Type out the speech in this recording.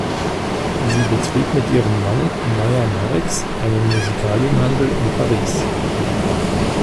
Sie betrieb mit ihrem Mann Mayer-Marix einen Musikalienhandel in Paris.